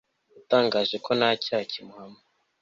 Yatangaje ko nta cyaha kimuhama